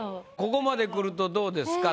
ここまで来るとどうですか？